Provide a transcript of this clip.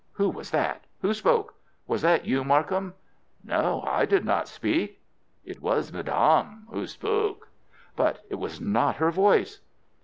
"Who was that? Who spoke? Was that you, Markham?" "No, I did not speak." "It was madame who spoke." "But it was not her voice."